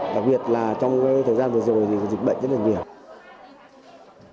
đặc biệt là trong thời gian vừa rồi thì dịch bệnh rất là nhiều